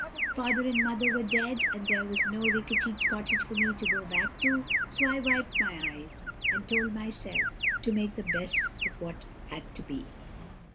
Father and mother were dead, and there was no ricketty cottage for me to go back to, so I wiped my eyes, and told myself to make the best of what had to be.